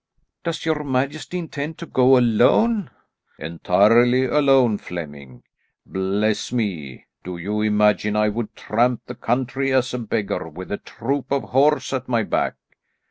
"Does your majesty intend to go alone?" "Entirely alone, Flemming. Bless me, do you imagine I would tramp the country as a beggar with a troop of horse at my back?"